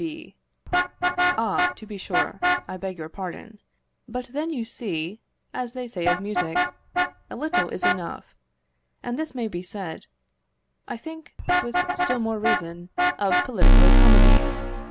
B. Ah! to be sure; I beg your pardon. But then you see, as they say of music, a little is enough; and this may be said, I think, with still more reason, of political economy.